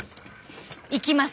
いきます！